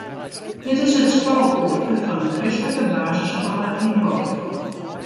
Dit is it skoalkoarke fan de kristlike basisskoalle yn Rottefalle.